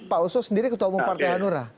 pak oso sendiri ketemu partai hanura